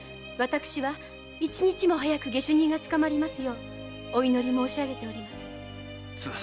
私は一日も早く下手人が捕まりますようお祈り申し上げております。